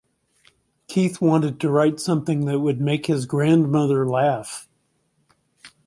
Keith wanted to write something that would make his grandmother laugh.